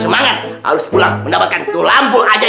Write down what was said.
semangat harus pulang mendapatkan dua lampu ajaib